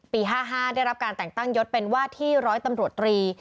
๕๕ได้รับการแต่งตั้งยศเป็นว่าที่ร้อยตำรวจตรี